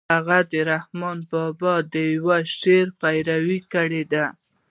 هغه د رحمن بابا د يوه شعر پيروي کړې ده.